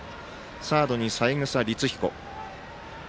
サードに三枝律彦。